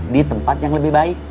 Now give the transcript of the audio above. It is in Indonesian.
di tempat yang lebih baik